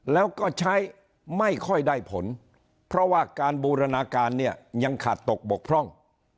แล้วก็ใช้ไม่ค่อยได้ผลเพราะว่าการบูรณาการเนี่ยยังขาดตกบกพร่อง